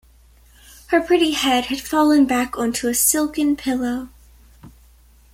Her pretty head had fallen back onto a silken pillow.